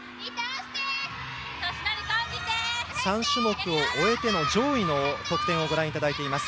３種目を終えての上位の得点をご覧いただいています。